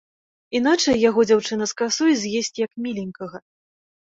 Іначай яго дзяўчына з касой з'есць як міленькага.